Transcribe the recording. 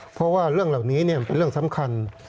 เพราะว่าเรื่องเหล่านี้เป็นเรื่องสำคัญ